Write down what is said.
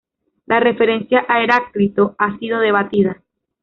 La referencia a Heráclito ha sido debatida.